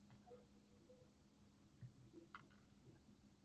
Ular ham somsa yegisi kelib, ozorlanishadi.